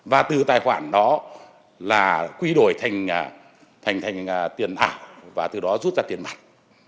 và từ tài khoản đó là quy đổi thành thành tiền ảo và từ đó rút ra tiền mặt